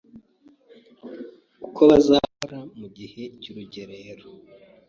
uko bazakora mu gihe cy’urugerero .